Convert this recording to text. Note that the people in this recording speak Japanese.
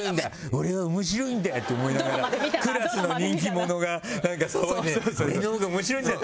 俺は面白いんだって思いながらクラスの人気者が何か騒いで俺のほうが面白いんだ